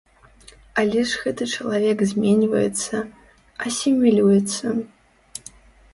Але ж гэты чалавек зменьваецца, асімілюецца.